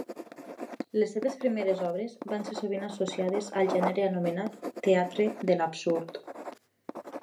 Les seves primeres obres van ser sovint associades al gènere anomenat Teatre de l'absurd.